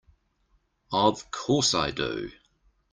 Of course I do!